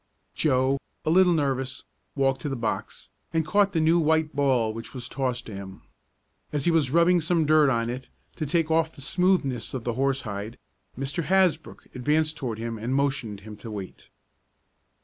Joe, a little nervous, walked to the box, and caught the new white ball which was tossed to him. As he was rubbing some dirt on it, to take off the smoothness of the horsehide, Mr. Hasbrook advanced toward him and motioned him to wait.